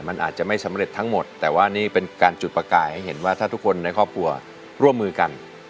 มันอาจจะไม่สำเร็จทั้งหมดแต่ว่านี่เป็นการจุดประกายให้เห็นว่าถ้าทุกคนในครอบครัวร่วมมือกัน